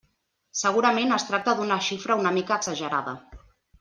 Segurament es tracta d'una xifra una mica exagerada.